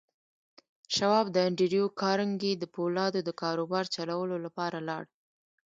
شواب د انډريو کارنګي د پولادو د کاروبار چلولو لپاره لاړ.